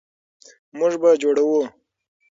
موږ به جوړوو.